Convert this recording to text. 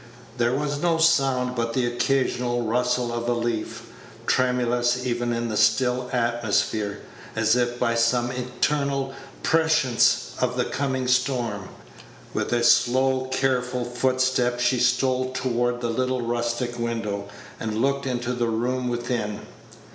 There was no sound but the occasional rustle of a leaf, tremulous even in the still atmosphere, as if by some internal prescience of the coming storm. With a slow, careful footstep, she stole toward the little rustic window, and looked into the room within.